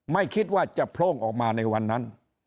ไม่คิดว่าจะโพร่งออกมาในวันนั้น